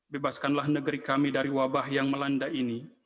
bebaskanlah negeri kami dari wabah yang melanda ini